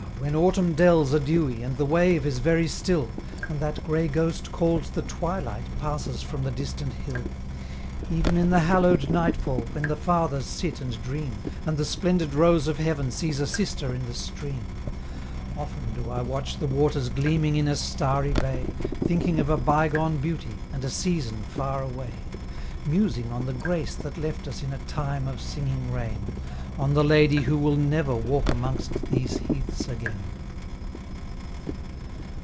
when autumn dells are dewy, and the wave is very still, And that grey ghost called the Twilight passes from the distant hill Even in the hallowed nightfall, when the fathers sit and dream, And the splendid rose of heaven sees a sister in the stream Often do I watch the waters gleaming in a starry bay, Thinking of a bygone beauty, and a season far away; Musing on the grace that left us in a time of singing rain, On the lady who will never walk amongst these heaths again.